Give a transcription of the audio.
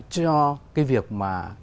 cho cái việc mà